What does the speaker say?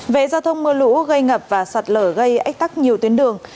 về giao thông mưa lũ gây ngập và sạt lở gây ách tắc nhiều tuyến đường